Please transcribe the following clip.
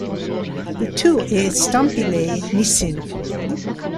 Le tout est estampillé Nissin.